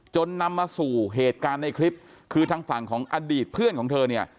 นำมาสู่เหตุการณ์ในคลิปคือทางฝั่งของอดีตเพื่อนของเธอเนี่ย